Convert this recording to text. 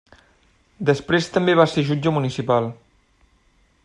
Després també va ser jutge municipal.